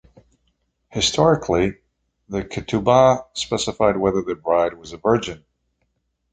Historically, the ketubah specified whether the bride was a virgin.